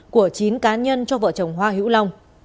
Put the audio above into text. của chín cá nhân cho vợ chồng hoa hữu long